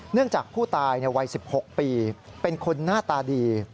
จากผู้ตายวัย๑๖ปีเป็นคนหน้าตาดี